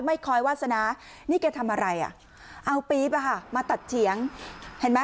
คอยวาสนานี่แกทำอะไรอ่ะเอาปี๊บอ่ะค่ะมาตัดเฉียงเห็นไหม